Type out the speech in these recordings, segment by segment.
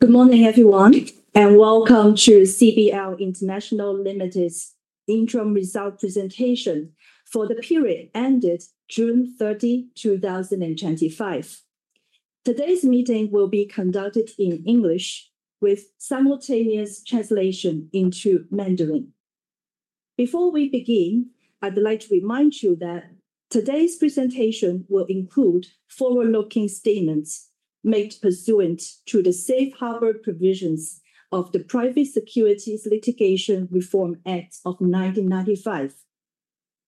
Good morning, everyone, and welcome to the CBL International Limited's interim result presentation for the period ended June 30, 2025. Today's meeting will be conducted in English, with simultaneous translation into Mandarin. Before we begin, I'd like to remind you that today's presentation will include forward-looking statements made pursuant to the safe harbor provisions of the Private Securities Litigation Reform Act of 1995.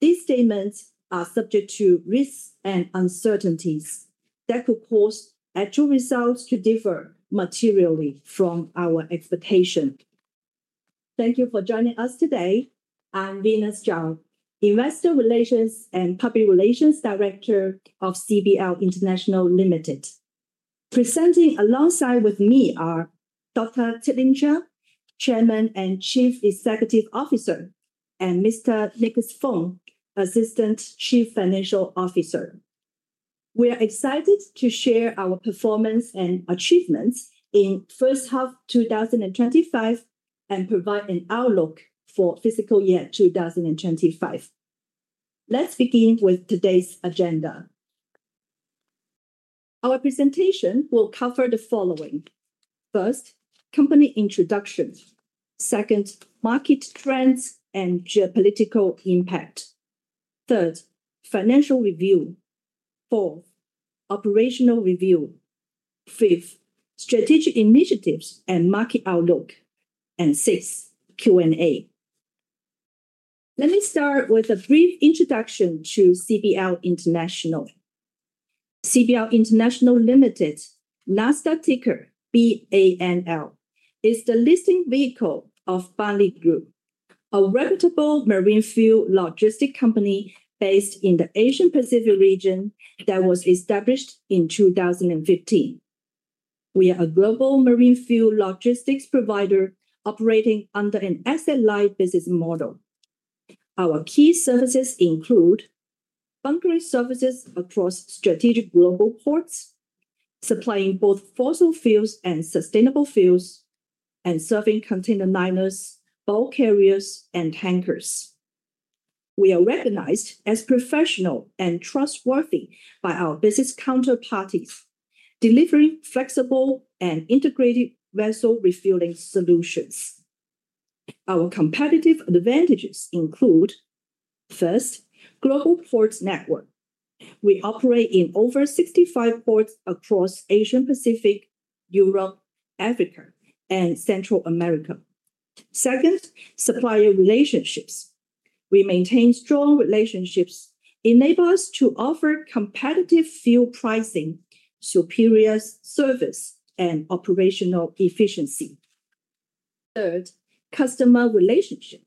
These statements are subject to risks and uncertainties that could cause actual results to differ materially from our expectations. Thank you for joining us today. I'm Venus Zhao, Investor Relations and Public Relations Director of CBL International Limited. Presenting alongside with me are Dr. Teck Lim Chia, Chairman and Chief Executive Officer, and Mr. Nicholas Fung, Assistant Chief Financial Officer. We are excited to share our performance and achievements in the first half of 2025 and provide an outlook for the fiscal year 2025. Let's begin with today's agenda. Our presentation will cover the following: First, company introduction. Second, market trends and geopolitical impact. Third, financial review. Fourth, operational review. Fifth, strategic initiatives and market outlook. Sixth, Q&A. Let me start with a brief introduction to CBL International. CBL International Limited, NASDAQ ticker BANL, is the listing vehicle of Banle Group, a reputable marine fuel logistics company based in the Asia-Pacific region that was established in 2015. We are a global marine fuel logistics provider operating under an asset-light business model. Our key services include: bunkering services across strategic global ports, supplying both fossil fuels and sustainable fuels, and serving container shipping lines, bulk carriers, and tankers. We are recognized as professional and trustworthy by our business counterparties, delivering flexible and integrated vessel refueling solutions. Our competitive advantages include: First, global ports network. We operate in over 65 ports across the Asia-Pacific, Europe, Africa, and Central America. Second, supplier relationships. We maintain strong relationships, enabling us to offer competitive fuel pricing, superior service, and operational efficiency. Third, customer relationship.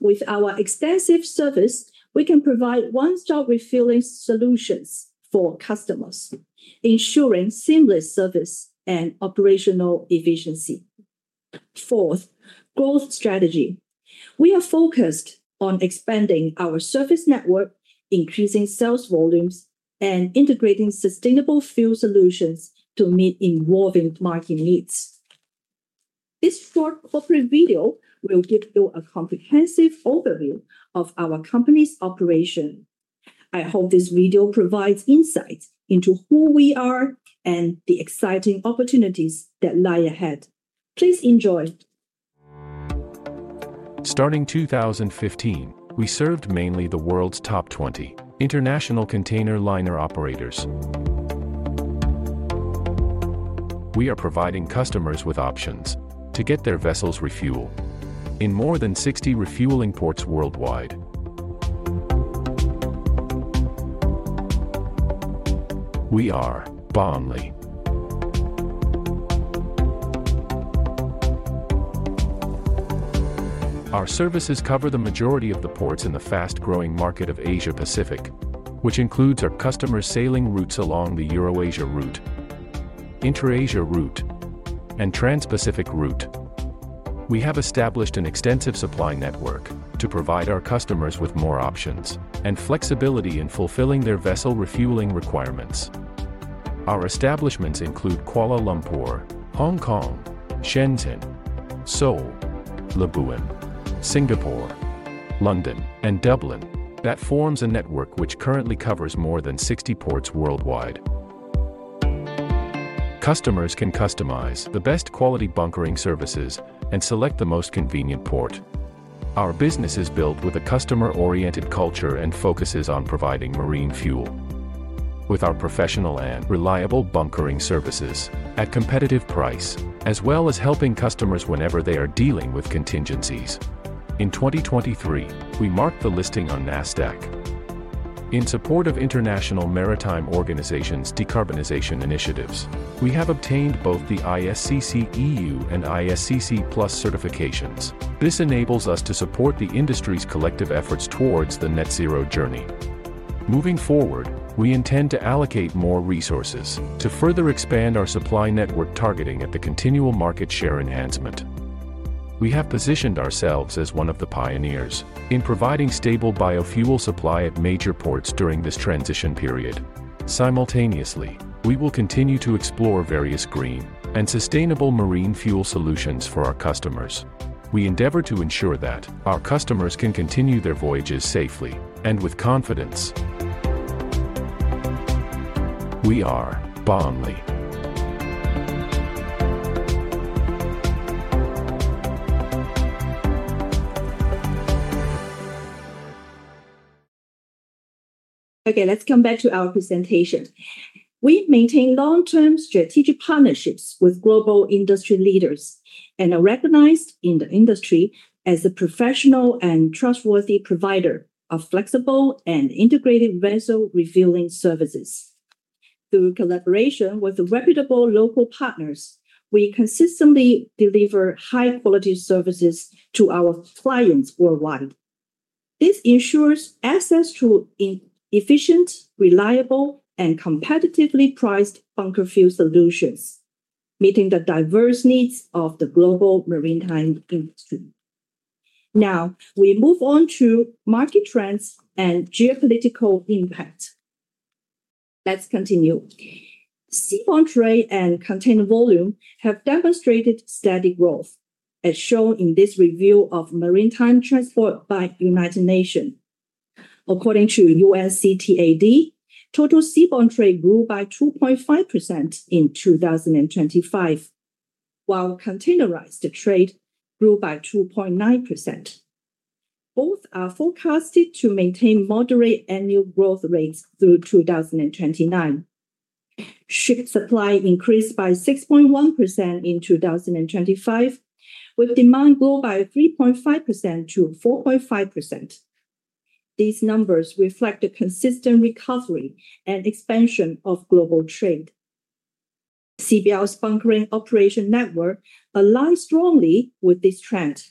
With our extensive service, we can provide one-stop refueling solutions for customers, ensuring seamless service and operational efficiency. Fourth, growth strategy. We are focused on expanding our service network, increasing sales volumes, and integrating sustainable fuel solutions to meet evolving market needs. This short corporate video will give you a comprehensive overview of our company's operation. I hope this video provides insight into who we are and the exciting opportunities that lie ahead. Please enjoy. Starting 2015, we served mainly the world's top 20 international container liner operators. We are providing customers with options to get their vessels refueled in more than 60 refueling ports worldwide. We are Banle. Our services cover the majority of the ports in the fast-growing market of Asia-Pacific, which includes our customers sailing routes along the Euro-Asia Route, Inter-Asia Route, and Trans-Pacific Route. We have established an extensive supply network to provide our customers with more options and flexibility in fulfilling their vessel refueling requirements. Our establishments include Kuala Lumpur, Hong Kong, Shenzhen, Seoul, Labuan, Singapore, London, and Dublin that form a network which currently covers more than 60 ports worldwide. Customers can customize the best quality bunkering services and select the most convenient port. Our business is built with a customer-oriented culture and focuses on providing marine fuel. With our professional and reliable bunkering services at a competitive price, as well as helping customers whenever they are dealing with contingencies. In 2023, we marked the listing on NASDAQ. In support of International Maritime Organization's decarbonization initiatives, we have obtained both the ISCC EU and ISCC+ certifications. This enables us to support the industry's collective efforts towards the net-zero journey. Moving forward, we intend to allocate more resources to further expand our supply network targeting at the continual market share enhancement. We have positioned ourselves as one of the pioneers in providing stable biofuel supply at major ports during this transition period. Simultaneously, we will continue to explore various green and sustainable marine fuel solutions for our customers. We endeavor to ensure that our customers can continue their voyages safely and with confidence. We are Banle. Okay, let's come back to our presentation. We maintain long-term strategic partnerships with global industry leaders and are recognized in the industry as a professional and trustworthy provider of flexible and integrated vessel refueling services. Through collaboration with reputable local partners, we consistently deliver high-quality services to our clients worldwide. This ensures access to efficient, reliable, and competitively priced bunker fuel solutions, meeting the diverse needs of the global maritime industry. Now, we move on to market trends and geopolitical impact. Let's continue. Seaborne trade and container volume have demonstrated steady growth, as shown in this review of maritime transport by the United Nations. According to U.S. CTAD, total seaborne trade grew by 2.5% in 2025, while containerized trade grew by 2.9%. Both are forecasted to maintain moderate annual growth rates through 2029. Ship supply increased by 6.1% in 2025, with demand growing by 3.5%-4.5%. These numbers reflect a consistent recovery and expansion of global trade. CBL's bunkering operation network aligns strongly with this trend,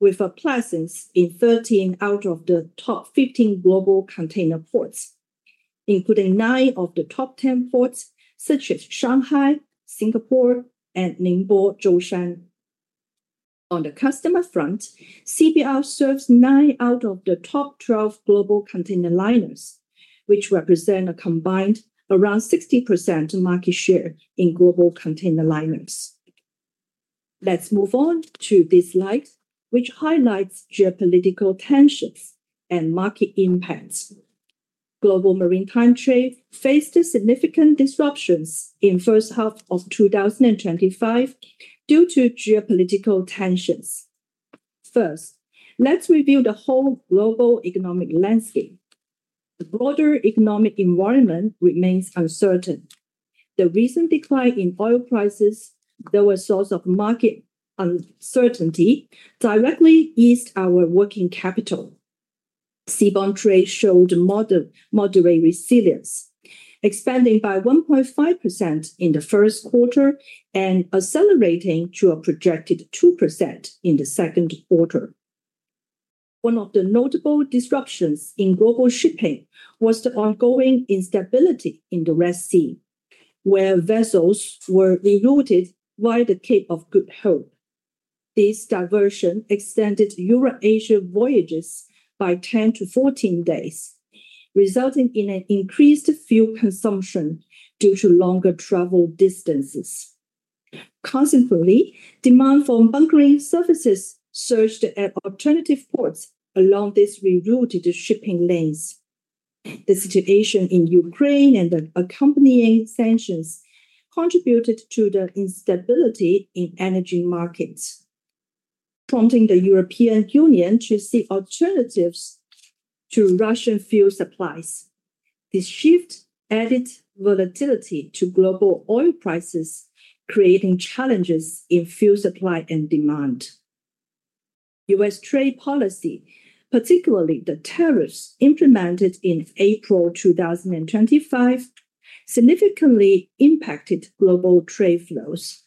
with a presence in 13 out of the top 15 global container ports, including 9 of the top 10 ports such as Shanghai, Singapore, and Ningbo-Zhoushan. On the customer front, CBL serves 9 out of the top 12 global container liners, which represent a combined around 16% market share in global container liners. Let's move on to this slide, which highlights geopolitical tensions and market impacts. Global maritime trade faced significant disruptions in the first half of 2025 due to geopolitical tensions. First, let's review the whole global economic landscape. The broader economic environment remains uncertain. The recent decline in oil prices, though a source of market uncertainty, directly eased our working capital. Seaborne trade showed moderate resilience, expanding by 1.5% in the first quarter and accelerating to a projected 2% in the second quarter. One of the notable disruptions in global shipping was the ongoing instability in the Red Sea, where vessels were rerouted via the Cape of Good Hope. This diversion extended Europe-Asia voyages by 10-14 days, resulting in increased fuel consumption due to longer travel distances. Consequently, demand for bunkering services surged at alternative ports along these rerouted shipping lanes. The situation in Ukraine and the accompanying sanctions contributed to the instability in energy markets, prompting the European Union to seek alternatives to Russian fuel supplies. This shift added volatility to global oil prices, creating challenges in fuel supply and demand. U.S. trade policy, particularly the tariffs implemented in April 2025, significantly impacted global trade flows,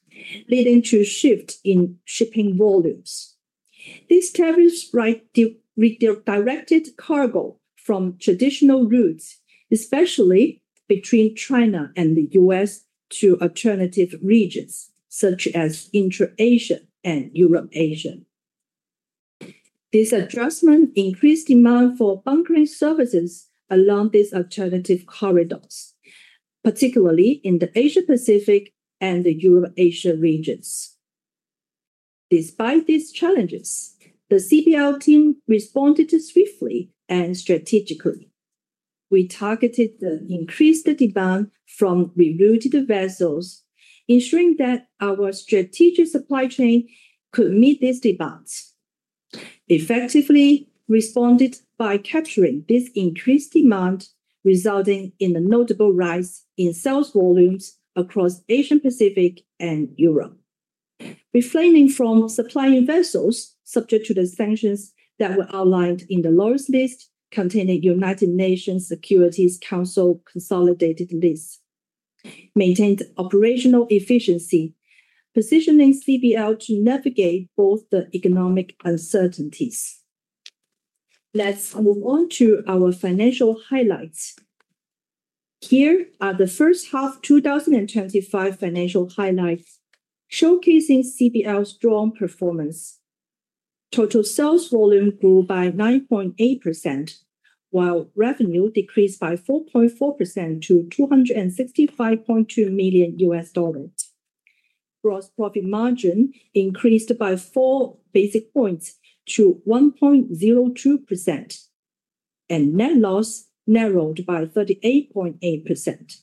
leading to a shift in shipping volumes. These tariffs redirected cargo from traditional routes, especially between China and the U.S., to alternative regions such as Inter-Asia and Europe-Asia. This adjustment increased demand for bunkering services along these alternative corridors, particularly in the Asia-Pacific and the Europe-Asia regions. Despite these challenges, the CBL team responded swiftly and strategically. We targeted the increased demand from rerouted vessels, ensuring that our strategic supply chain could meet these demands. Effectively, we responded by capturing this increased demand, resulting in a notable rise in sales volumes across the Asia-Pacific and Europe. Refraining from supplying vessels subject to the sanctions that were outlined in the latest list containing the United Nations Security Council consolidated list, we maintained operational efficiency, positioning CBL to navigate both the economic uncertainties. Let's move on to our financial highlights. Here are the first half of 2025 financial highlights, showcasing CBL's strong performance. Total sales volume grew by 9.8%, while revenue decreased by 4.4% to $265.2 million. Gross profit margin increased by 4 basis points to 1.02%, and net loss narrowed by 38.8%.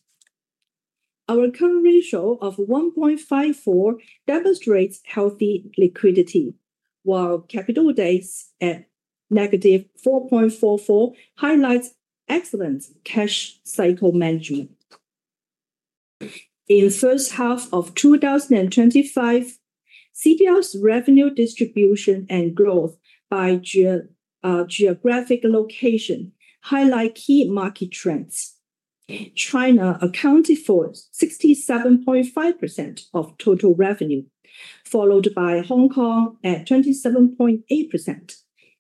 Our current ratio of 1.54 demonstrates healthy liquidity, while capital debt at -4.44 highlights excellent cash cycle management. In the first half of 2025, CBL's revenue distribution and growth by geographic location highlight key market trends. China accounted for 67.5% of total revenue, followed by Hong Kong at 27.8%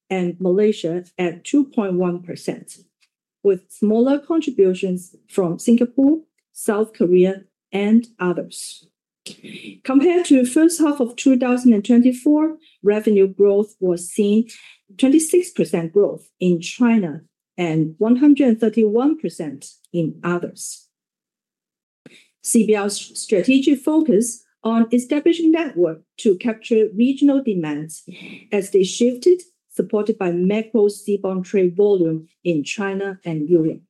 and Malaysia at 2.1%, with smaller contributions from Singapore, South Korea, and others. Compared to the first half of 2024, revenue growth was seen at 26% growth in China and 131% in others. CBL's strategic focus on establishing a network to capture regional demands as they shifted, supported by macro seabound trade volume in China and Europe.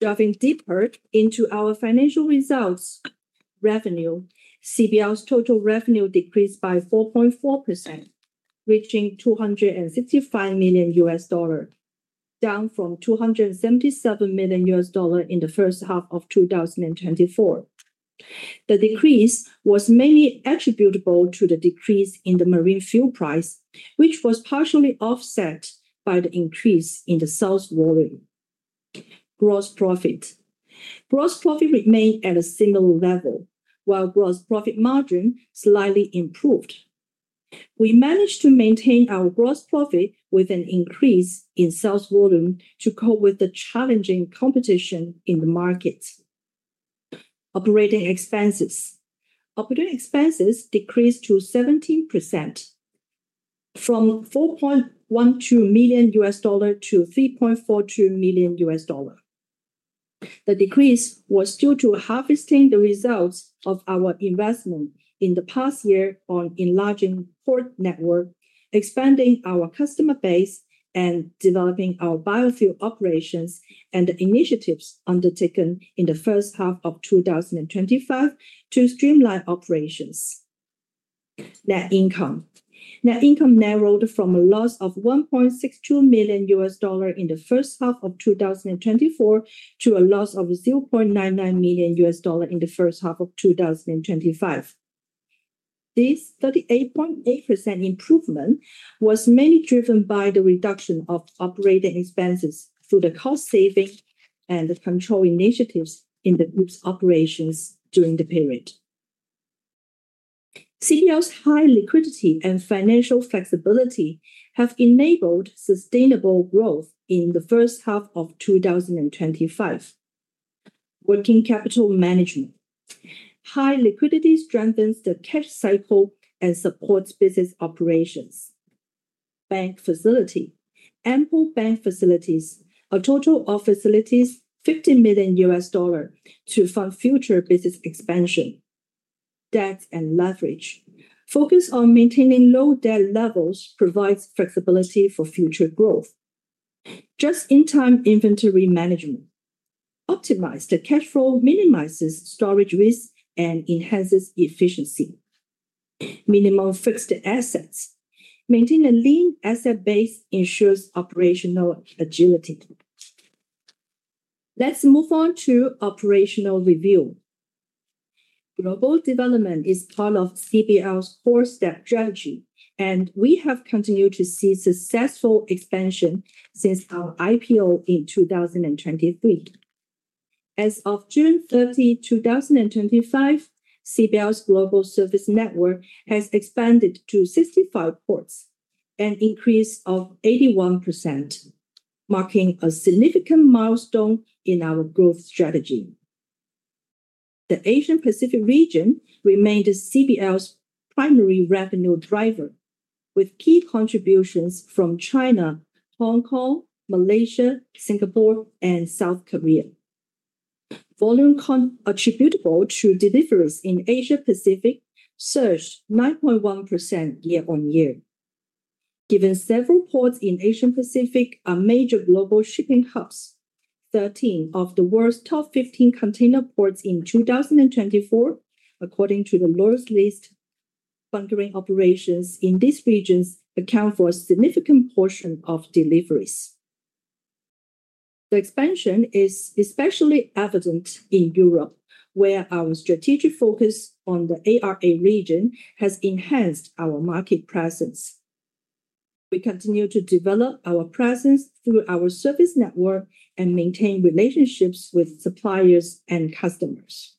Delving deeper into our financial results, revenue, CBL's total revenue decreased by 4.4%, reaching $265 million, down from $277 million in the first half of 2024. The decrease was mainly attributable to the decrease in the marine fuel price, which was partially offset by the increase in the sales volume. Gross profit: gross profit remained at a similar level, while gross profit margin slightly improved. We managed to maintain our gross profit with an increase in sales volume to cope with the challenging competition in the market. Operating expenses: operating expenses decreased to 17%, from $4.12 million to $3.42 million. The decrease was due to harvesting the results of our investment in the past year on an enlarging port network, expanding our customer base, and developing our biofuel operations and the initiatives undertaken in the first half of 2025 to streamline operations. Net income: net income narrowed from a loss of $1.62 million in the first half of 2024 to a loss of $0.99 million in the first half of 2025. This 38.8% improvement was mainly driven by the reduction of operating expenses through the cost savings and the control initiatives in the group's operations during the period. CBL's high liquidity and financial flexibility have enabled sustainable growth in the first half of 2025. Working capital management: High liquidity strengthens the cash cycle and supports business operations. Bank facility: Ample bank facilities, a total of $50 million to fund future business expansion. Debt and leverage: Focus on maintaining low debt levels provides flexibility for future growth. Just-in-time inventory management: Optimized cash flow minimizes storage risk and enhances efficiency. Minimal fixed assets: Maintaining a lean asset base ensures operational agility. Let's move on to operational review. Global development is part of CBL's four-step strategy, and we have continued to see successful expansion since our IPO in 2023. As of June 30, 2025, CBL's global service network has expanded to 65 ports, an increase of 81%, marking a significant milestone in our growth strategy. The Asia-Pacific region remains CBL's primary revenue driver, with key contributions from China, Hong Kong, Malaysia, Singapore, and South Korea. Volume contributable to deliveries in Asia-Pacific surged 9.1% year-on-year. Given several ports in the Asia-Pacific are major global shipping hubs, 13 of the world's top 15 container ports in 2024, according to the latest list, bunkering operations in these regions account for a significant portion of deliveries. The expansion is especially evident in Europe, where our strategic focus on the ERA region has enhanced our market presence. We continue to develop our presence through our service network and maintain relationships with suppliers and customers.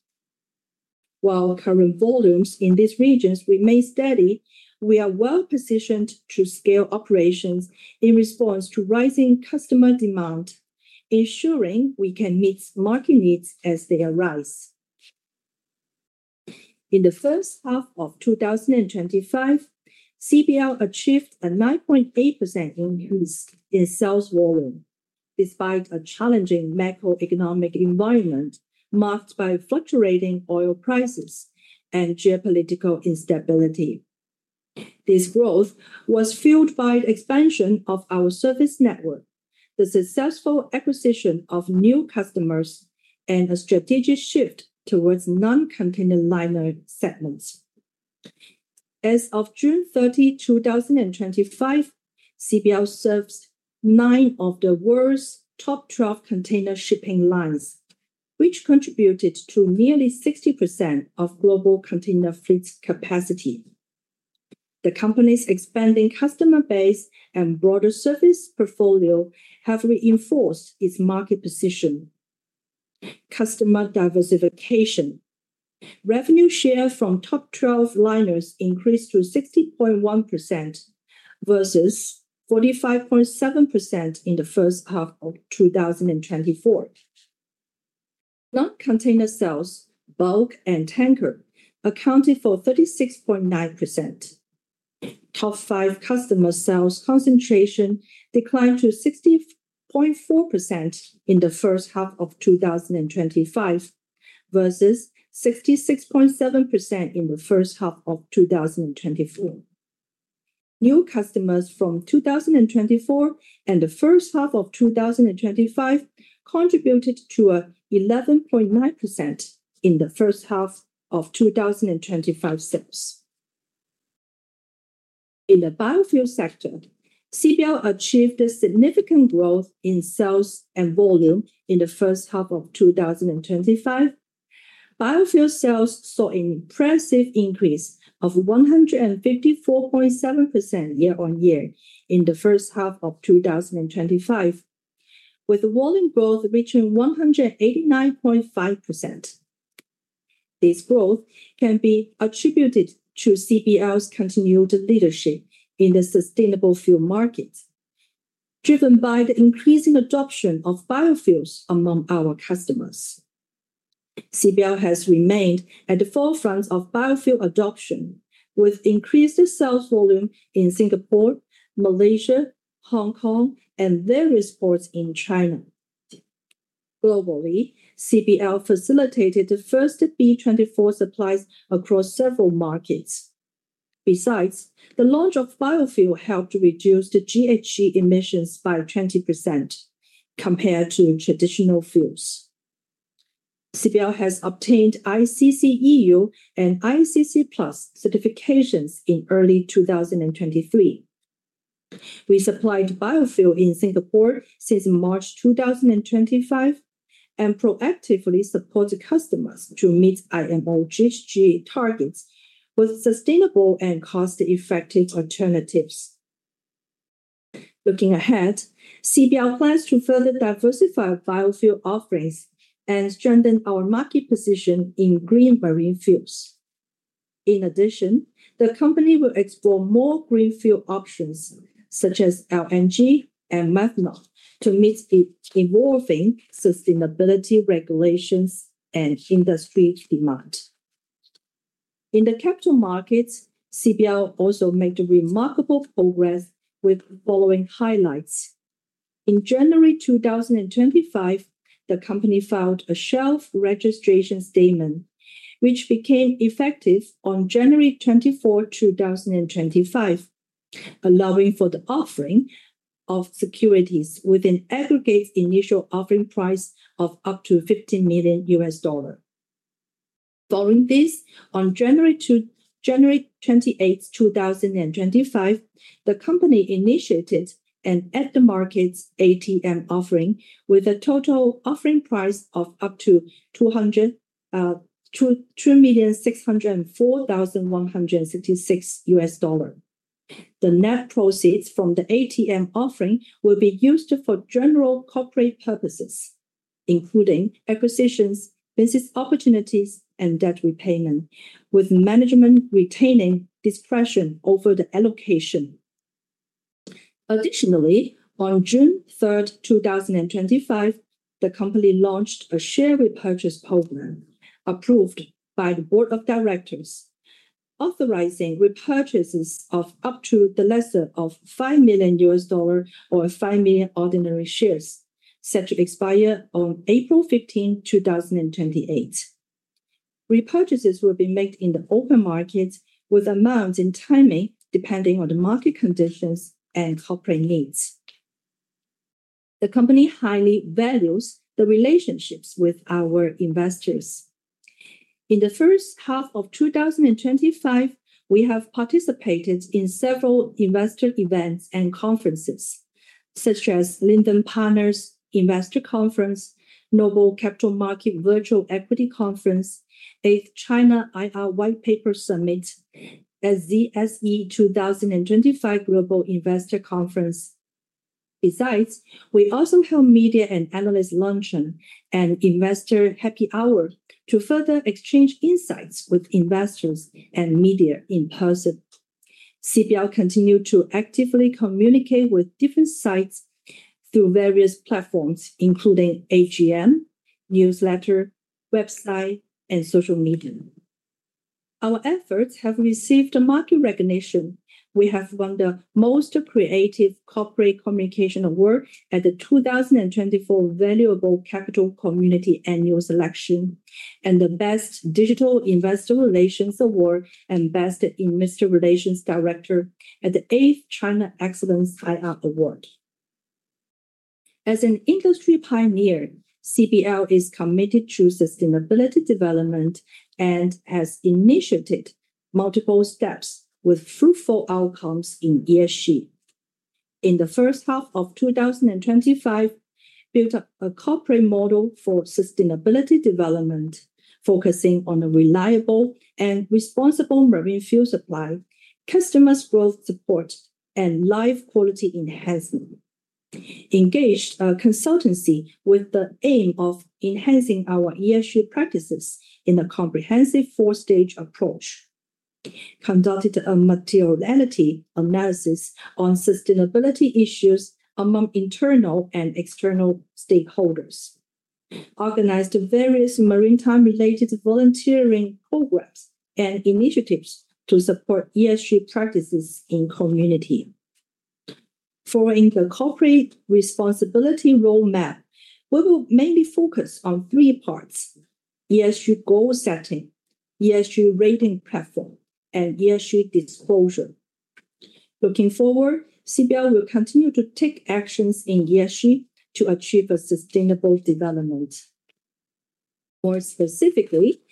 While current volumes in these regions remain steady, we are well positioned to scale operations in response to rising customer demand, ensuring we can meet market needs as they arise. In the first half of 2025, CBL achieved a 9.8% increase in sales volume, despite a challenging macroeconomic environment marked by fluctuating oil prices and geopolitical instability. This growth was fueled by the expansion of our service network, the successful acquisition of new customers, and a strategic shift towards non-container liner segments. As of June 30, 2025, CBL serves nine of the world's top 12 container shipping lines, which contributed to nearly 60% of global container fleet capacity. The company's expanding customer base and broader service portfolio have reinforced its market position. Customer diversification: Revenue share from top 12 liners increased to 60.1% versus 45.7% in the first half of 2024. Non-container sales (bulk and tanker) accounted for 36.9%. Top 5 customer sales concentration declined to 60.4% in the first half of 2025 versus 66.7% in the first half of 2024. New customers from 2024 and the first half of 2025 contributed to 11.9% in the first half of 2025. In the biofuels sector, CBL achieved significant growth in sales and volume in the first half of 2025. Biofuels sales saw an impressive increase of 154.7% year-on-year in the first half of 2025, with volume growth reaching 189.5%. This growth can be attributed to CBL's continued leadership in the sustainable fuels market, driven by the increasing adoption of biofuels among our customers. CBL has remained at the forefront of biofuels adoption, with increased sales volume in Singapore, Malaysia, Hong Kong, and various ports in China. Globally, CBL facilitated the first B24 supplies across several markets. Besides, the launch of biofuels helped reduce the GHG emissions by 20% compared to traditional fuels. CBL has obtained ISCC EU and ISCC+ certifications in early 2023. We supplied biofuels in Singapore since March 2025 and proactively supported customers to meet IMO GHG targets with sustainable and cost-effective alternatives. Looking ahead, CBL plans to further diversify biofuel offerings and strengthen our market position in green marine fuels. In addition, the company will explore more green fuel options, such as LNG and methanol, to meet its evolving sustainability regulations and industry demand. In the capital markets, CBL also made remarkable progress with the following highlights. In January 2025, the company filed a shelf registration statement, which became effective on January 24, 2025, allowing for the offering of securities with an aggregate initial offering price of up to $15 million. Following this, on January 28, 2025, the company initiated an at-the-market ATM offering with a total offering price of up to $2,604,166. The net proceeds from the ATM offering will be used for general corporate purposes, including acquisitions, business opportunities, and debt repayment, with management retaining discretion over the allocation. Additionally, on June 3rd, 2025, the company launched a share repurchase program approved by the Board of Directors, authorizing repurchases of up to the lesser of $5 million or 5 million ordinary shares, set to expire on April 15, 2028. Repurchases will be made in the open market, with amounts and timing depending on the market conditions and corporate needs. The company highly values the relationships with our investors. In the first half of 2025, we have participated in several investor events and conferences, such as Linden Partners Investor Conference, NOBLE Capital Market Virtual Equity Conference, 8th China IR White Paper Summit, and ZSE 2025 Global Investor Conference. Besides, we also held media and analyst luncheons and investor happy hours to further exchange insights with investors and media in person. CBL continues to actively communicate with different sites through various platforms, including AGM, newsletter, website, and social media. Our efforts have received market recognition. We have won the Most Creative Corporate Communication Award at the 2024 Valuable Capital Community Annual Selection, and the Best Digital Investor Relations Award and Best Investor Relations Director at the 8th China Excellence Fine Art Award. As an industry pioneer, CBL is committed to sustainability development and has initiated multiple steps with fruitful outcomes in ESG. In the first half of 2025, we built a corporate model for sustainability development, focusing on a reliable and responsible marine fuel supply, customer growth support, and life quality enhancement. We engaged a consultancy with the aim of enhancing our ESG practices in a comprehensive four-stage approach. We conducted a materiality analysis on sustainability issues among internal and external stakeholders. We organized various maritime-related volunteering programs and initiatives to support ESG practices in the community. Following the corporate responsibility roadmap, we will mainly focus on three parts: ESG goal setting, ESG rating platform, and ESG disclosure. Looking forward, CBL will continue to take actions in ESG to achieve a sustainable development. More specifically,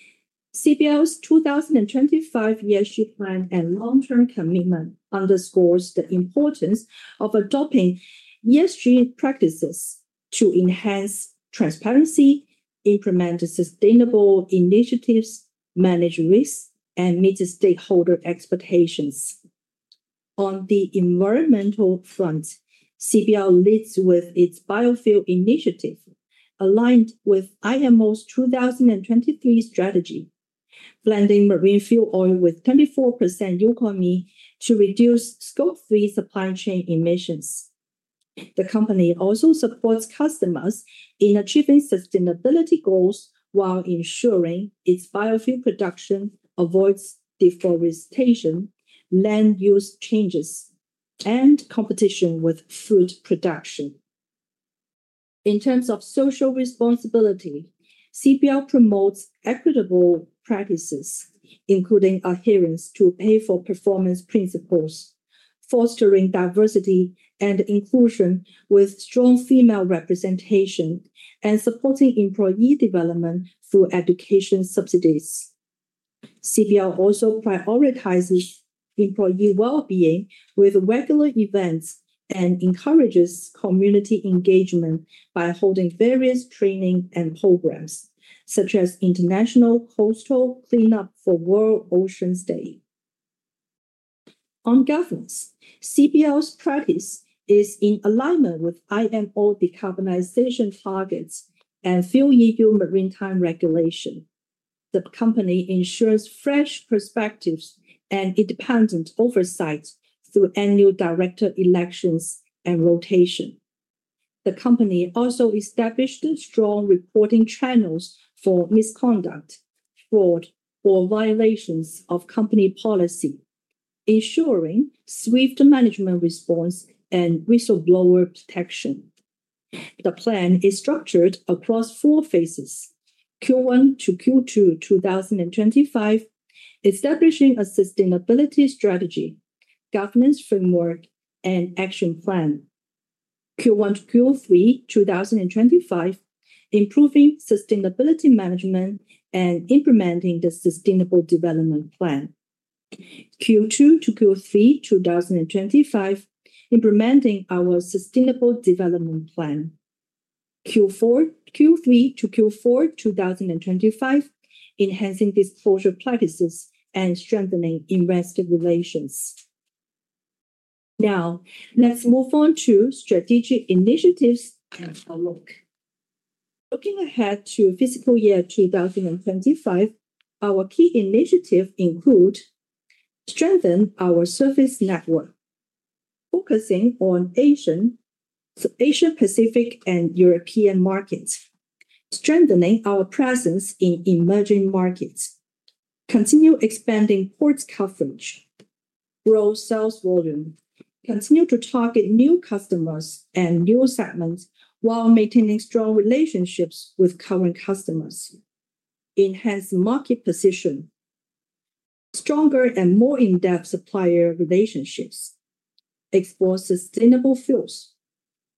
CBL's 2025 ESG plan and long-term commitment underscore the importance of adopting ESG practices to enhance transparency, implement sustainable initiatives, manage risks, and meet stakeholder expectations. On the environmental front, CBL leads with its biofuel initiative, aligned with IMO's 2023 strategy, blending marine fuel oil with 24% newcoming to reduce scope 3 supply chain emissions. The company also supports customers in achieving sustainability goals while ensuring its biofuel production avoids deforestation, land use changes, and competition with food production. In terms of social responsibility, CBL promotes equitable practices, including adherence to pay-for-performance principles, fostering diversity and inclusion with strong female representation, and supporting employee development through education subsidies. CBL also prioritizes employee well-being with regular events and encourages community engagement by holding various training and programs, such as International Coastal Cleanup for World Oceans Day. On governance, CBL's practice is in alignment with IMO decarbonization targets and fuel-eval maritime regulation. The company ensures fresh perspectives and independent oversight through annual director elections and rotation. The company also established strong reporting channels for misconduct, fraud, or violations of company policy, ensuring swift management response and whistleblower protection. The plan is structured across four phases: Q1-Q2 2025, establishing a sustainability strategy, governance framework, and action plan. Q1-Q3 2025, improving sustainability management and implementing the sustainable development plan. Q2-Q3 2025, implementing our sustainable development plan. Q3-Q4 2025, enhancing disclosure practices and strengthening investor relations. Now, let's move on to strategic initiatives and a look. Looking ahead to fiscal year 2025, our key initiatives include: strengthen our service network, focusing on Asian, Asia-Pacific, and European markets, strengthening our presence in emerging markets, continue expanding port coverage, grow sales volume, continue to target new customers and new segments while maintaining strong relationships with current customers, enhance market position, stronger and more in-depth supplier relationships, explore sustainable fuels,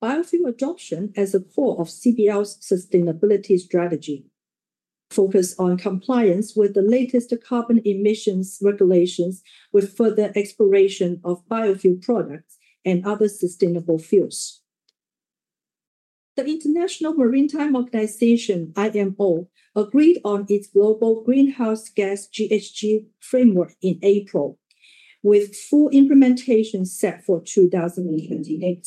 biofuel adoption as a core of CBL's sustainability strategy, focus on compliance with the latest carbon emissions regulations with further exploration of biofuel products and other sustainable fuels. The International Maritime Organization, IMO, agreed on its Global Greenhouse Gas (GHG) framework in April, with full implementation set for 2028.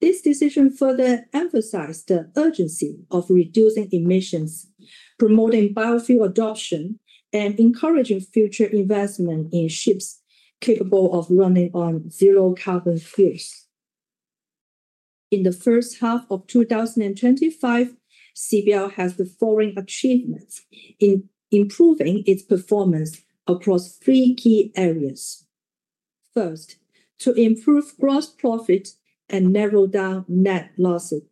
This decision further emphasized the urgency of reducing emissions, promoting biofuel adoption, and encouraging future investment in ships capable of running on zero-carbon fuels. In the first half of 2025, CBL has the following achievements in improving its performance across three key areas: First, to improve gross profit and narrow down net losses.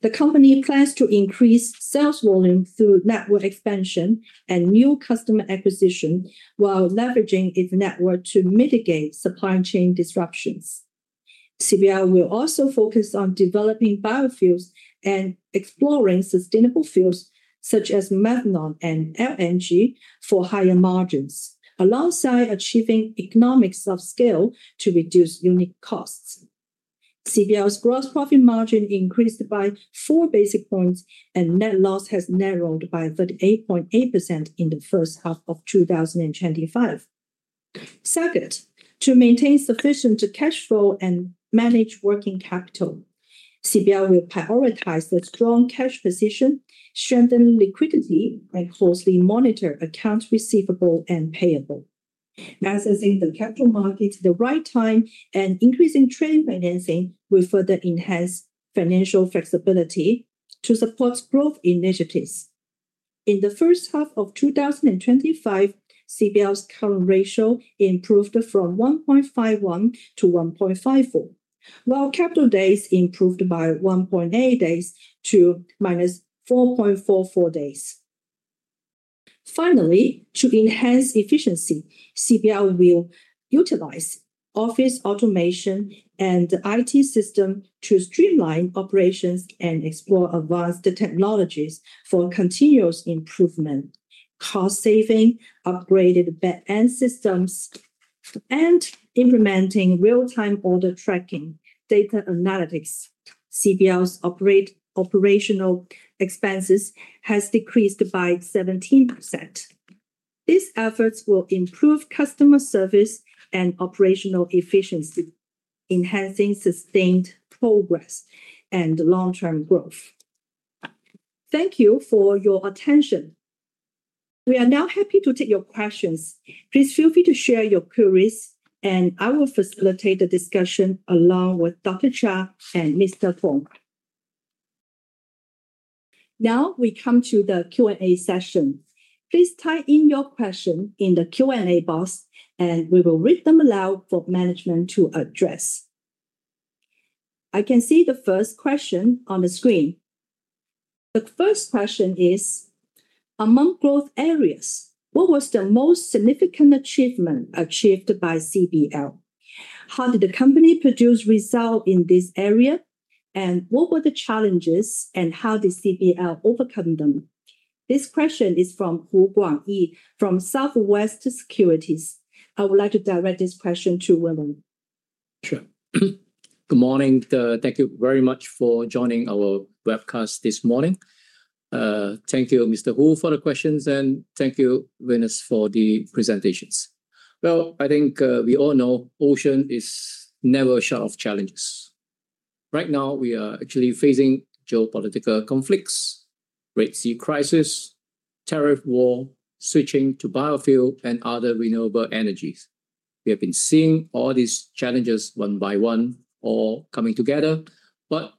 The company plans to increase sales volume through network expansion and new customer acquisitions, while leveraging its network to mitigate supply chain disruptions. CBL will also focus on developing biofuels and exploring sustainable fuels such as methanol and LNG for higher margins, alongside achieving economics of scale to reduce unit costs. CBL's gross profit margin increased by 4 basis points, and net loss has narrowed by 38.8% in the first half of 2025. Second, to maintain sufficient cash flow and manage working capital. CBL will prioritize a strong cash position, strengthen liquidity, and closely monitor accounts receivable and payable. Assessing the capital market at the right time and increasing trade financing will further enhance financial flexibility to support growth initiatives. In the first half of 2025, CBL's current ratio improved from 1.51 to 1.54, while capital debt improved by 1.8 days to -4.44 days. Finally, to enhance efficiency, CBL will utilize office automation and IT systems to streamline operations and explore advanced technologies for continuous improvement, cost-saving, upgraded backend systems, and implementing real-time order tracking data analytics. CBL's operational expenses have decreased by 17%. These efforts will improve customer service and operational efficiency, enhancing sustained progress and long-term growth. Thank you for your attention. We are now happy to take your questions. Please feel free to share your queries, and I will facilitate the discussion along with Dr. Chia and Mr. Fung. Now we come to the Q&A session. Please type in your question in the Q&A box, and we will read them aloud for management to address. I can see the first question on the screen. The first question is: Among growth areas, what was the most significant achievement achieved by CBL? How did the company produce results in this area, and what were the challenges, and how did CBL overcome them? This question is from Hu Guangyi from Southwest Securities. I would like to direct this question to William. Sure. Good morning. Thank you very much for joining our webcast this morning. Thank you, Mr. Hu, for the questions, and thank you, Venus, for the presentations. I think we all know ocean is never short of challenges. Right now, we are actually facing geopolitical conflicts, the Red Sea crisis, tariff war, switching to biofuels and other renewable energies. We have been seeing all these challenges one by one all coming together, but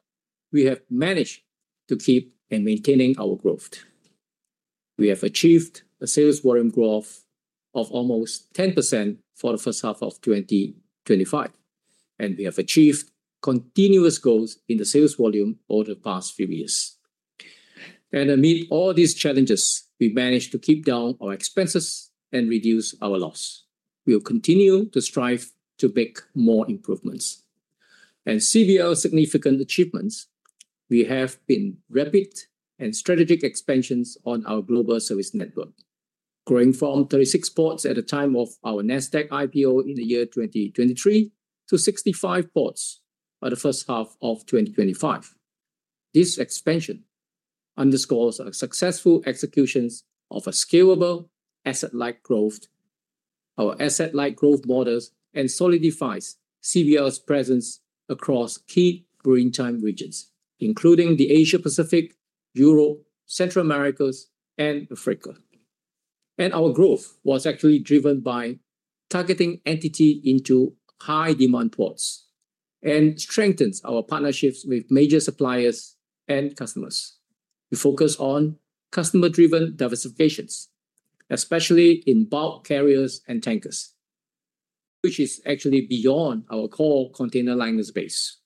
we have managed to keep and maintain our growth. We have achieved a sales volume growth of almost 10% for the first half of 2025, and we have achieved continuous goals in the sales volume over the past few years. Amid all these challenges, we managed to keep down our expenses and reduce our loss. We will continue to strive to make more improvements. CBL's significant achievements have been rapid and strategic expansions on our global service network, growing from 36 ports at the time of our NASDAQ IPO in the year 2023 to 65 ports by the first half of 2025. This expansion underscores our successful executions of a scalable, asset-light growth. Our asset-light growth model solidifies CBL's presence across key maritime regions, including the Asia-Pacific, Europe, Central America, and Africa. Our growth was actually driven by targeting entities into high-demand ports and strengthening our partnerships with major suppliers and customers. We focus on customer-driven diversification, especially in bulk carriers and tankers, which is actually beyond our core container liner space.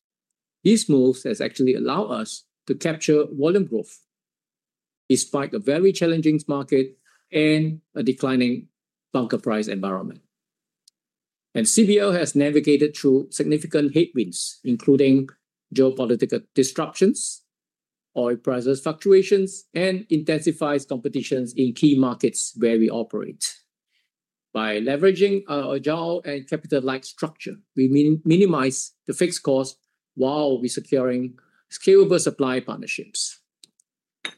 These moves have actually allowed us to capture volume growth despite a very challenging market and a declining bulk price environment. CBL has navigated through significant headwinds, including geopolitical disruptions, oil price fluctuations, and intensified competition in key markets where we operate. By leveraging our agile and capital-light structure, we minimize the fixed costs while securing scalable supply partnerships,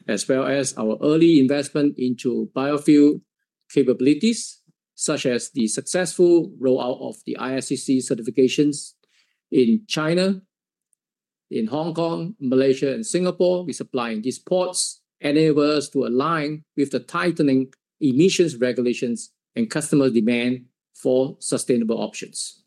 as well as our early investment into biofuel capabilities, such as the successful rollout of the ISCC certifications in China, in Hong Kong, Malaysia, and Singapore. We supply in these ports, enabling us to align with the tightening emissions regulations and customer demand for sustainable options.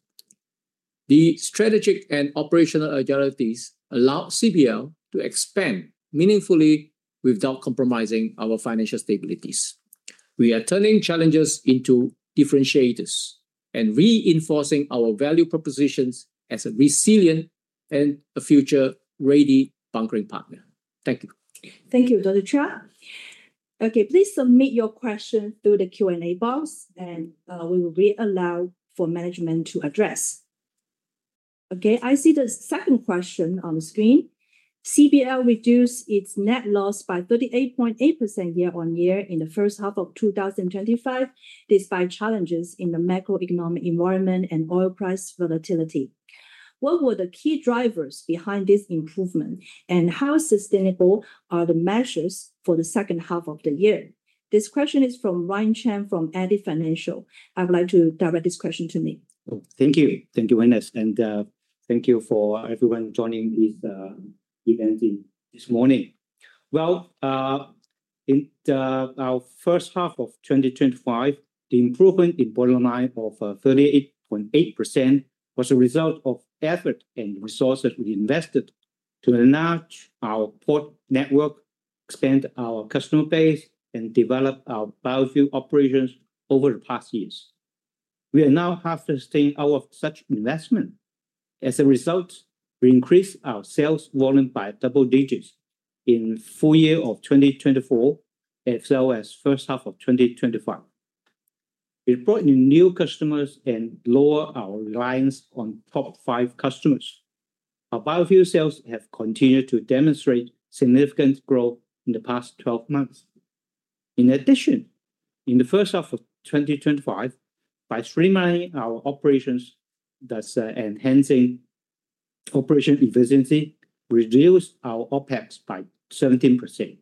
The strategic and operational agility allow CBL to expand meaningfully without compromising our financial stability. We are turning challenges into differentiators and reinforcing our value propositions as a resilient and a future-ready bunkering partner. Thank you. Thank you, Dr. Chia. Okay, please submit your question through the Q&A box, and we will read aloud for management to address. Okay, I see the second question on the screen. CBL reduced its net loss by 38.8% year-on-year in the first half of 2025, despite challenges in the macroeconomic environment and oil price volatility. What were the key drivers behind this improvement, and how sustainable are the measures for the second half of the year? This question is from Wang Chen from [Abbi Financial]. I would like to direct this question to Nick. Thank you. Thank you, Venus, and thank you for everyone joining this event this morning. In our first half of 2025, the improvement in the bottom line of 38.8% was a result of effort and resources we invested to enlarge our port network, expand our customer base, and develop our biofuel operations over the past years. We are now half sustained out of such investment. As a result, we increased our sales volume by double digits in the full year of 2024, as well as the first half of 2025. We brought in new customers and lowered our reliance on top five customers. Our biofuel sales have continued to demonstrate significant growth in the past 12 months. In addition, in the first half of 2025, by streamlining our operations, thus enhancing operation efficiency, we reduced our OpEx by 17%.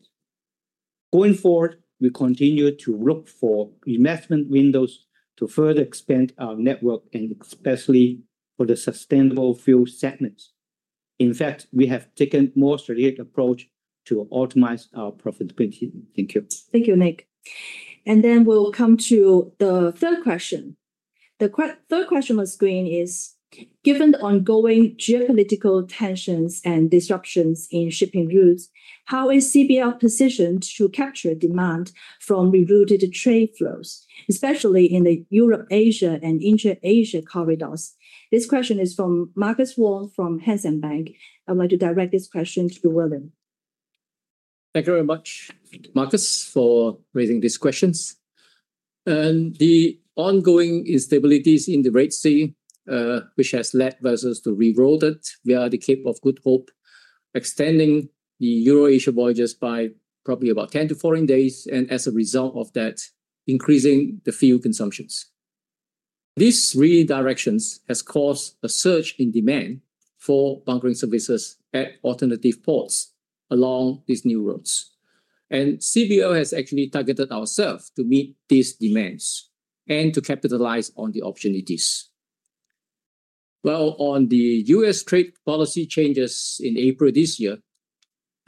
Going forward, we continue to look for investment windows to further expand our network and especially for the sustainable fuel segment. In fact, we have taken a more strategic approach to optimize our profitability. Thank you. Thank you, Nick. We'll come to the third question. The third question on the screen is: Given the ongoing geopolitical tensions and disruptions in shipping routes, how is CBL positioned to capture demand from rerouted trade flows, especially in the Eurasian and Asia-Pacific corridors? This question is from Marcus Wong from Hang Seng Bank. I would like to direct this question to William. Thank you very much, Marcus, for raising these questions. The ongoing instabilities in the Red Sea, which has led vessels to reroute via the Cape of Good Hope, extending the Eurasian voyages by probably about 10-14 days, and as a result of that, increasing the fuel consumptions. This redirection has caused a surge in demand for bunkering services at alternative ports along these new routes. CBL has actually targeted ourselves to meet these demands and to capitalize on the opportunities. On the U.S. trade policy changes in April this year, it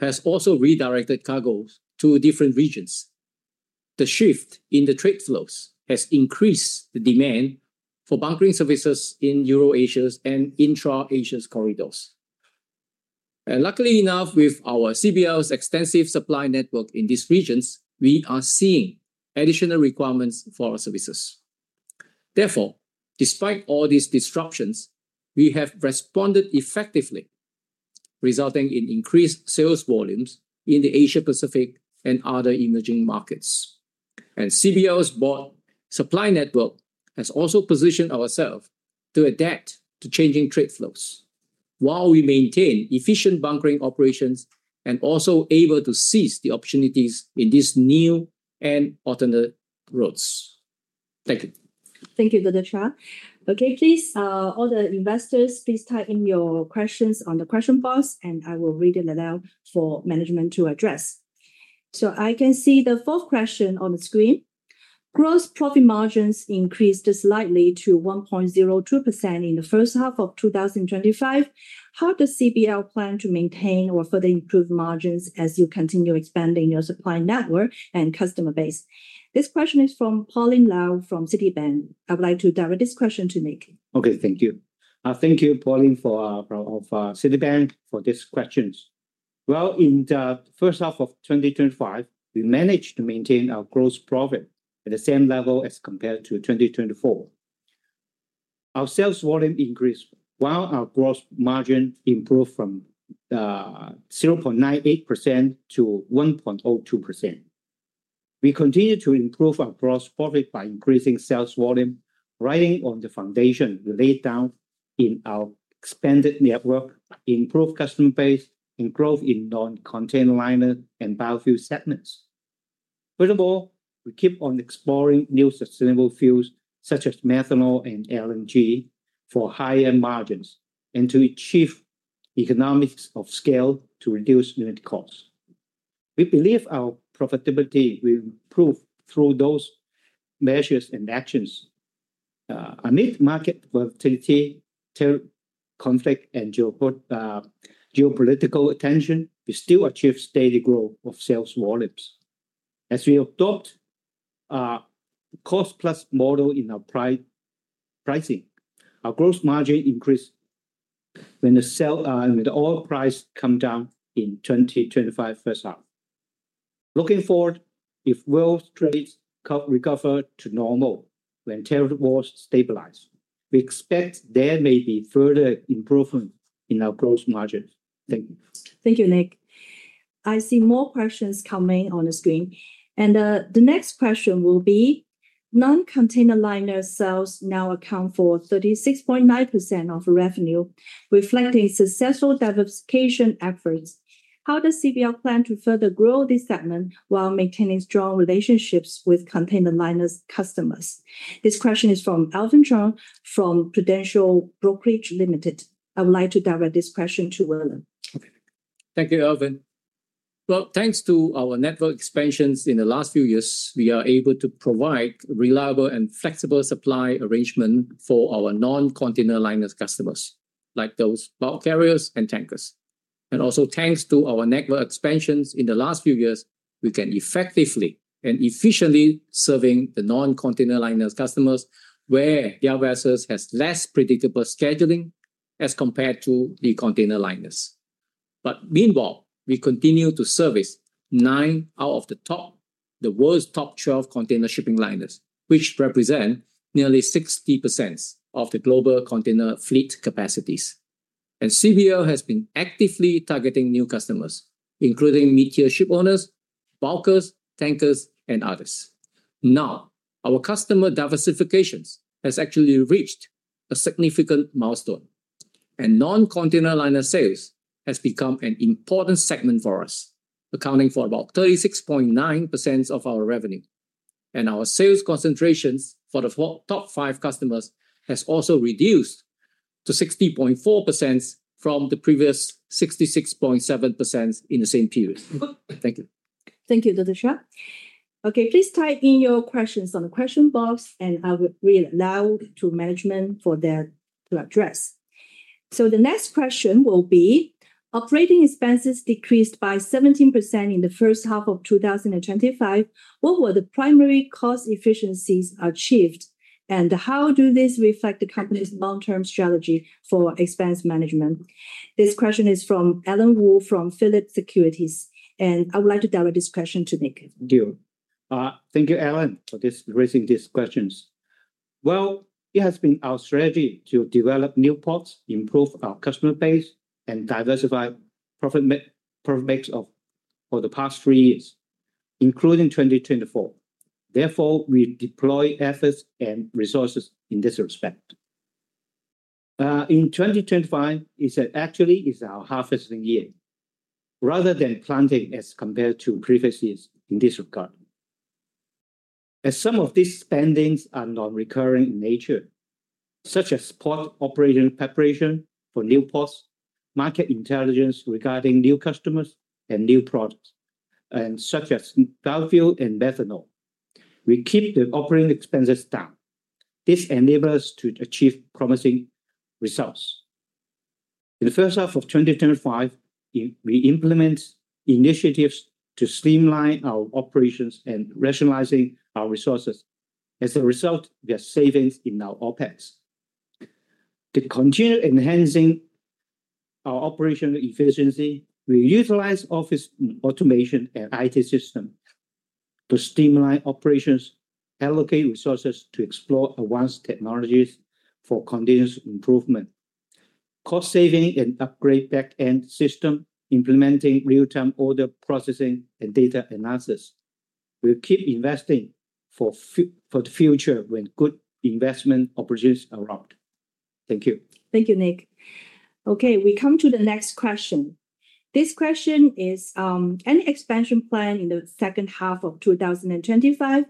has also redirected cargo to different regions. The shift in the trade flows has increased the demand for bunkering services in Europe-Asia's and Intra-Asia's corridors. Luckily enough, with our CBL's extensive supply network in these regions, we are seeing additional requirements for our services. Therefore, despite all these disruptions, we have responded effectively, resulting in increased sales volumes in the Asia-Pacific and other emerging markets. CBL's bulk supply network has also positioned ourselves to adapt to changing trade flows, while we maintain efficient bunkering operations and are also able to seize the opportunities in these new and alternate routes. Thank you. Thank you, Dr. Chia. Okay, please, all the investors, please type in your questions on the question box, and I will read it aloud for management to address. I can see the fourth question on the screen. Gross profit margins increased slightly to 1.02% in the first half of 2025. How does CBL plan to maintain or further improve margins as you continue expanding your supply network and customer base? This question is from Pauline Lau from Citibank. I would like to direct this question to Nick. Okay, thank you. Thank you, Pauline, from Citibank, for these questions. In the first half of 2025, we managed to maintain our gross profit at the same level as compared to 2024. Our sales volume increased, while our gross margin improved from 0.98% to 1.02%. We continue to improve our gross profit by increasing sales volume, riding on the foundation we laid down in our expanded network, improved customer base, and growth in non-container liner and biofuel segments. Furthermore, we keep on exploring new sustainable fuels such as methanol and LNG for higher margins and to achieve economics of scale to reduce unit costs. We believe our profitability will improve through those measures and actions. Amid market volatility, tariff conflict, and geopolitical tension, we still achieve steady growth of sales volumes. As we adopt a cost-plus model in our pricing, our gross margin increases when the oil price comes down in 2025's first half. Looking forward, if world trade recovers to normal when tariff wars stabilize, we expect there may be further improvement in our gross margins. Thank you. Thank you, Nick. I see more questions coming on the screen. The next question will be: Non-container liner sales now account for 36.9% of revenue, reflecting successful diversification efforts. How does CBL plan to further grow this segment while maintaining strong relationships with container liner customers? This question is from Alvin Cheng from Prudential Brokerage Limited. I would like to direct this question to William. Thank you, Alvin. Thanks to our network expansions in the last few years, we are able to provide reliable and flexible supply arrangements for our non-container liner customers, like those bulk carriers and tankers. Also, thanks to our network expansions in the last few years, we can effectively and efficiently serve the non-container liner customers where their vessels have less predictable scheduling as compared to the container liners. Meanwhile, we continue to service nine out of the world's top 12 container shipping lines, which represent nearly 60% of the global container fleet capacities. CBL has been actively targeting new customers, including mid-tier shipowners, bulkers, tankers, and others. Our customer diversification has actually reached a significant milestone, and non-container liner sales have become an important segment for us, accounting for about 36.9% of our revenue. Our sales concentrations for the top five customers have also reduced to 60.4% from the previous 66.7% in the same period. Thank you. Thank you, Dr. Chia. Okay, please type in your questions in the question box, and I will read aloud to management for them to address. The next question will be: Operating expenses decreased by 17% in the first half of 2025. What were the primary cost efficiencies achieved, and how do these reflect the company's long-term strategy for expense management? This question is from Alan Wu from Philip Securities, and I would like to direct this question to Nick. Thank you, Alan, for raising these questions. It has been our strategy to develop new ports, improve our customer base, and diversify the profit mix over the past three years, including 2024. Therefore, we deploy efforts and resources in this respect. In 2025, it actually is our half-assistant year, rather than planting as compared to previous years in this regard. As some of these spendings are non-recurring in nature, such as port operating preparation for new ports, market intelligence regarding new customers and new products, such as biofuel and methanol, we keep the operating expenses down. This enables us to achieve promising results. In the first half of 2025, we implement initiatives to streamline our operations and rationalize our resources. As a result, we are saving in our OpEx. To continue enhancing our operational efficiency, we utilize office automation and IT systems to streamline operations, allocate resources to explore advanced technologies for continuous improvement. Cost-saving and upgraded backend systems, implementing real-time order processing and data analysis, we keep investing for the future when good investment opportunities are around. Thank you. Thank you, Nick. Okay, we come to the next question. This question is: Any expansion plan in the second half of 2025?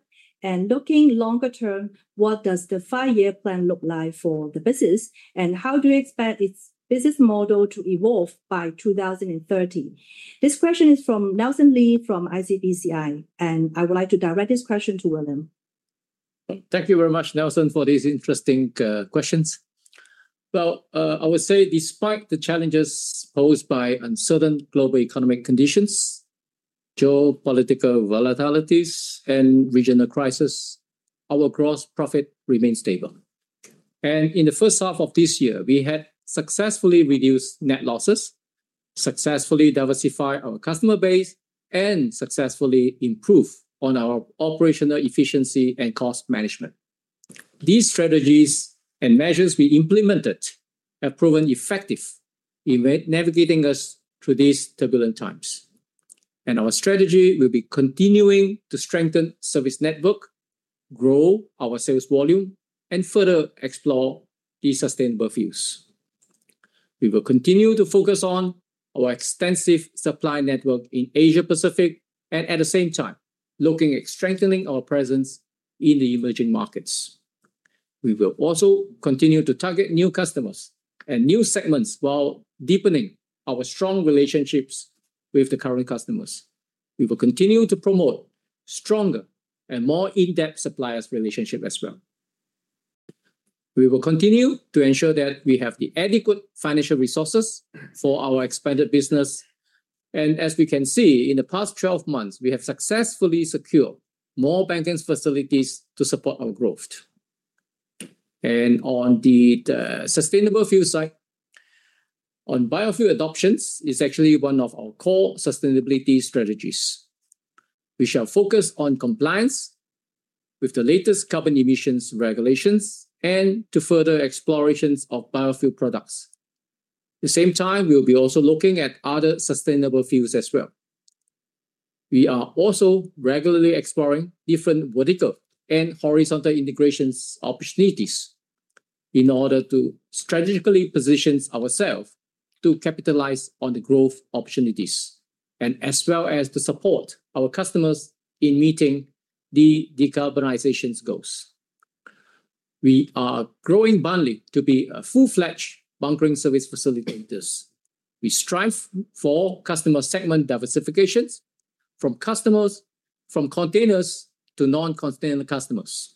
Looking longer term, what does the five-year plan look like for the business, and how do you expect its business model to evolve by 2030? This question is from Nelson Lee from ICBCI, and I would like to direct this question to William. Thank you very much, Nelson, for these interesting questions. I would say despite the challenges posed by uncertain global economic conditions, geopolitical volatilities, and regional crises, our gross profit remains stable. In the first half of this year, we had successfully reduced net losses, successfully diversified our customer base, and successfully improved on our operational efficiency and cost management. These strategies and measures we implemented have proven effective in navigating us through these turbulent times. Our strategy will be continuing to strengthen the service network, grow our sales volume, and further explore these sustainable fuels. We will continue to focus on our extensive supply network in Asia-Pacific, and at the same time, looking at strengthening our presence in the emerging markets. We will also continue to target new customers and new segments while deepening our strong relationships with the current customers. We will continue to promote stronger and more in-depth suppliers' relationships as well. We will continue to ensure that we have the adequate financial resources for our expanded business. As we can see, in the past 12 months, we have successfully secured more bank facilities to support our growth. On the sustainable fuel side, on biofuel adoptions, it's actually one of our core sustainability strategies. We shall focus on compliance with the latest carbon emissions regulations and to further explore biofuel products. At the same time, we will be also looking at other sustainable fuels as well. We are also regularly exploring different vertical and horizontal integration opportunities in order to strategically position ourselves to capitalize on the growth opportunities, as well as to support our customers in meeting the decarbonization goals. We are growing Banle to be a full-fledged bunkering service facilitator. We strive for customer segment diversification, from customers from containers to non-container customers,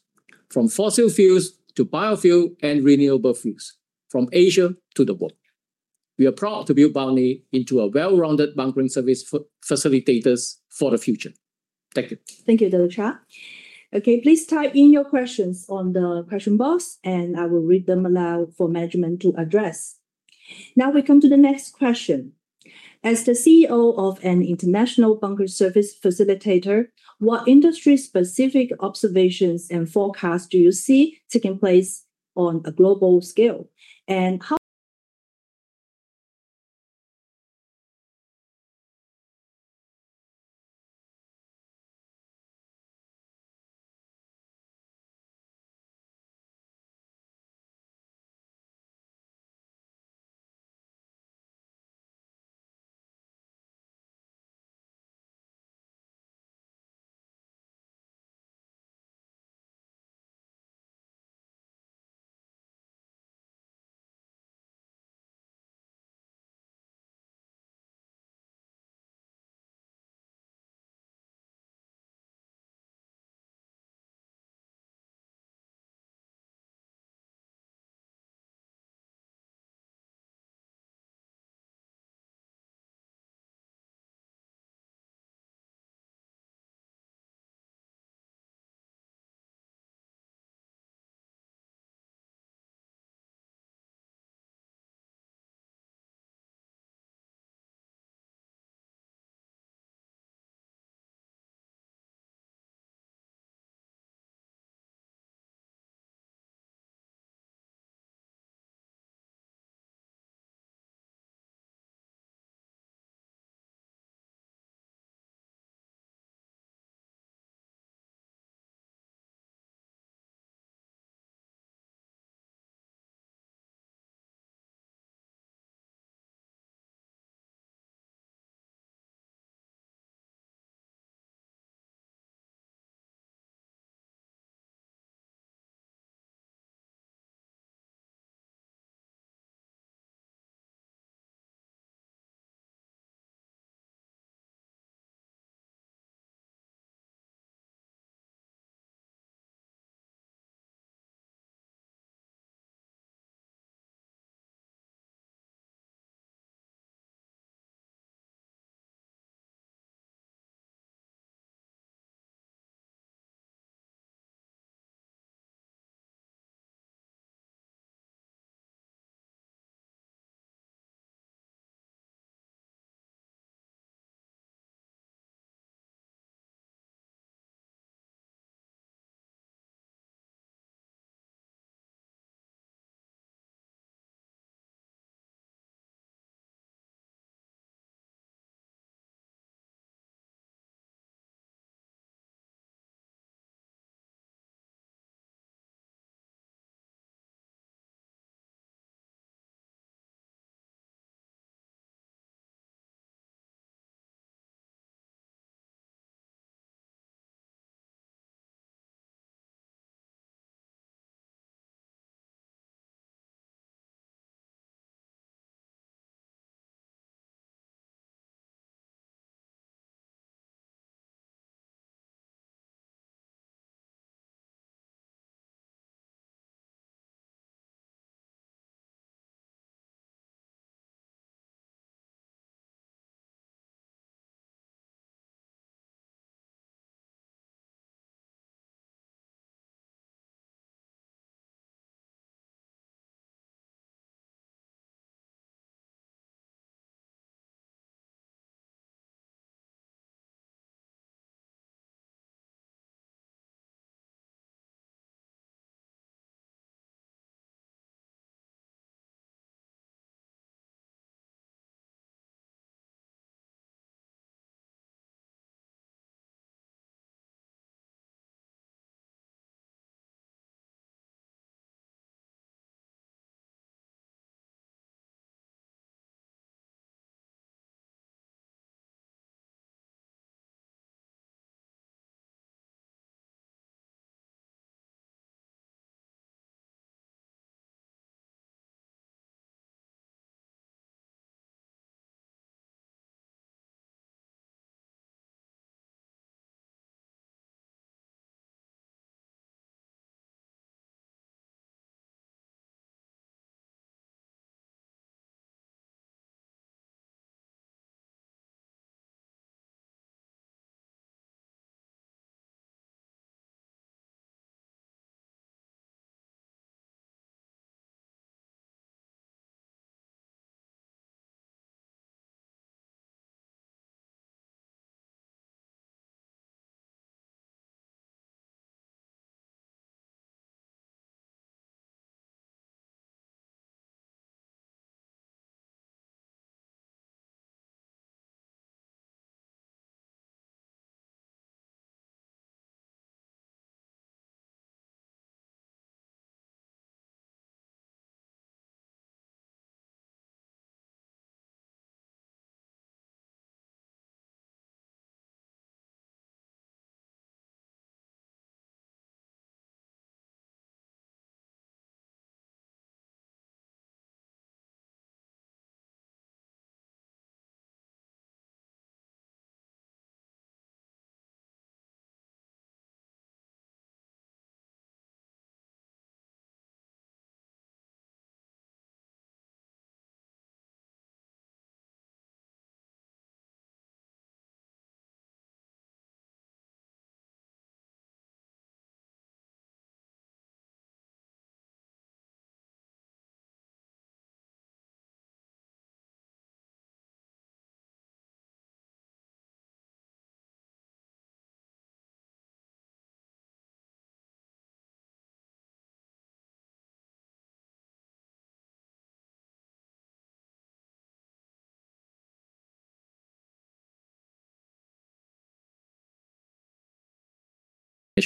from fossil fuels to biofuel and renewable fuels, from Asia to the world. We are proud to build Banle into a well-rounded bunkering service facilitator for the future. Thank you. Thank you, Dr. Chia. Okay, please type in your questions in the question box, and I will read them aloud for management to address. Now we come to the next question. As the CEO of an international bunker service facilitator, what industry-specific observations and forecasts do you see taking place on a global scale,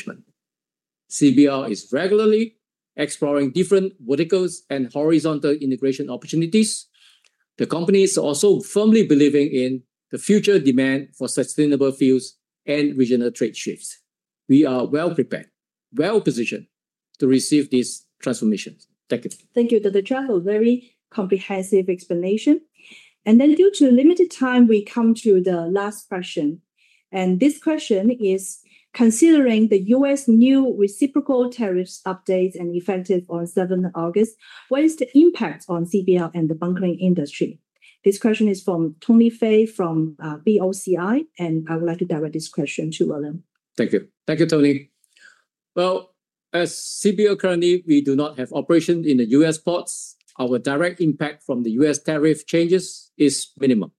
and how? CBL is regularly exploring different verticals and horizontal integration opportunities. The company is also firmly believing in the future demand for sustainable fuels and regional trade shifts. We are well prepared, well positioned to receive these transformations. Thank you. Thank you, Dr. Chia, for a very comprehensive explanation. Due to limited time, we come to the last question. This question is: Considering the U.S. new reciprocal tariffs updates and effective on 7 August, what is the impact on CBL and the bunkering industry? This question is from Tony Fei from BOCI, and I would like to direct this question to William. Thank you. Thank you, Tony. As CBL currently, we do not have operations in U.S. ports. Our direct impact from the U.S. tariff changes is minimal.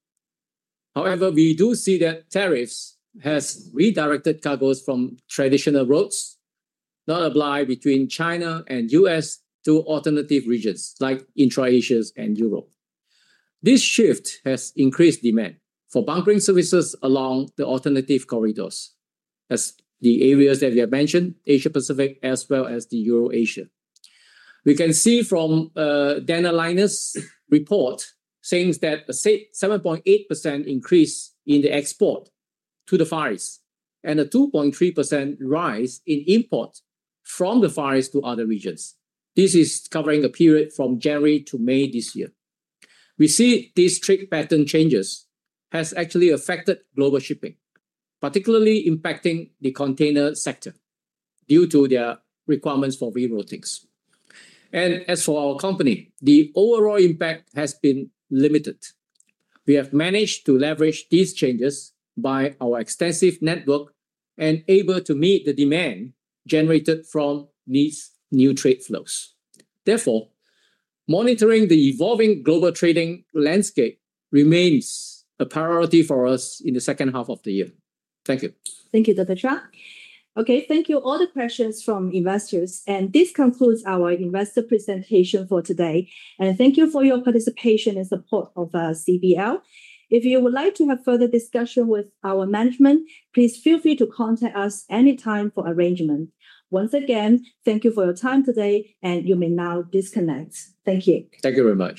However, we do see that tariffs have redirected cargoes from traditional routes that lie between China and the U.S. to alternative regions like Asia-Pacific and Europe. This shift has increased demand for bunkering services along the alternative corridors, as the areas that we have mentioned, Asia-Pacific as well as Eurasia. We can see from the [Dana Liners] report saying that a 7.8% increase in the export to the Far East and a 2.3% rise in imports from the Far East to other regions. This is covering a period from January to May this year. We see these trade pattern changes have actually affected global shipping, particularly impacting the container sector due to their requirements for rerouting. As for our company, the overall impact has been limited. We have managed to leverage these changes by our extensive network and are able to meet the demand generated from these new trade flows. Therefore, monitoring the evolving global trading landscape remains a priority for us in the second half of the year. Thank you. Thank you, Dr. Chia. Thank you to all the questions from investors. This concludes our investor presentation for today. Thank you for your participation and support of CBL. If you would like to have further discussion with our management, please feel free to contact us anytime for arrangements. Once again, thank you for your time today, and you may now disconnect. Thank you. Thank you very much.